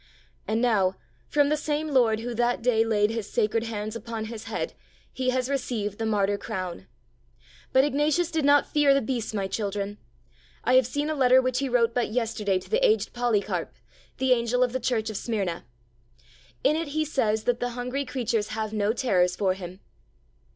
And now, from the same Lord who that day laid His sacred hands upon his head, he has received the martyr crown. But Ignatius did not fear the beasts, my children. I have seen a letter which he wrote but yesterday to the aged Polycarp, the angel of the Church of Smyrna. In it he says that the hungry creatures have no terrors for him.